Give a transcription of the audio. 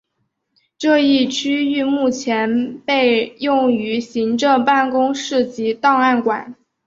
这一区域目前被用于行政办公室及档案馆。